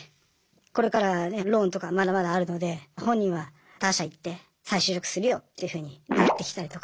これからねローンとかまだまだあるので本人は他社行って再就職するよっていうふうになってきたりとか。